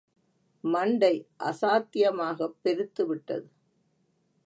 மண்டை அசாத்தியமாகப் பெருத்துவிட்டது.